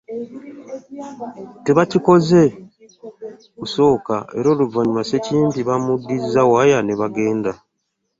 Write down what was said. Tebaakikoze okusooka era oluvannyuma Ssekimpi baamuddiza waya ne bagenda